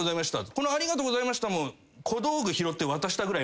この「ありがとうございました」も。